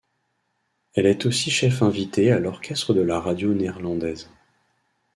Elle est aussi chef invitée à l'orchestre de la radio néerlandaise.